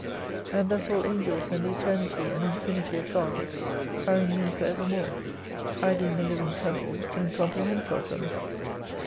And thus all Angels and the Eternity and Infinity of God are in me for evermore. I being the hving temple and compre hensor of them.